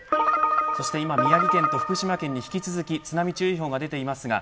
宮城県と福島県に引き続き津波注意報が出ています。